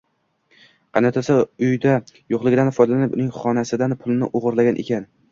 Qaynotasi uyda yo`qligidan foydalanib, uning xonasidan pulni o`g`rilagan ekan